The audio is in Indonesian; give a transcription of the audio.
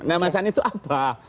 nah mas anies itu apa